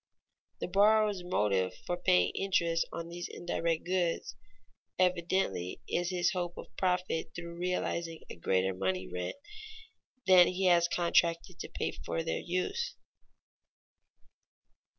The borrower's motive for paying interest on these indirect goods evidently is his hope of profit through realizing a greater money rent than he has contracted to pay for their use.